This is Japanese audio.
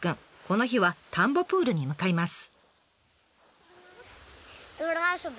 この日は田んぼプールに向かいます。